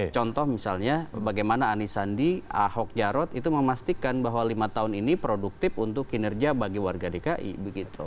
contoh misalnya bagaimana ani sandi ahok jarot itu memastikan bahwa lima tahun ini produktif untuk kinerja bagi warga dki begitu